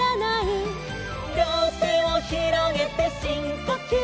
「りょうてをひろげてしんこきゅう」